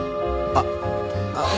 あっ。